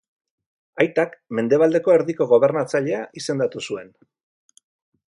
Aitak mendebaldeko erdiko gobernatzailea izendatu zuen.